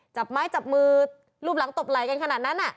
จับไม้จับมือรูปหลังตบไหลกันขนาดนั้น